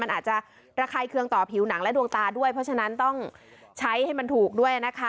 มันอาจจะระคายเคืองต่อผิวหนังและดวงตาด้วยเพราะฉะนั้นต้องใช้ให้มันถูกด้วยนะคะ